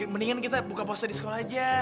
mendingan kita buka puasa di sekolah aja